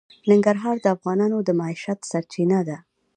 ننګرهار د افغانانو د معیشت سرچینه ده.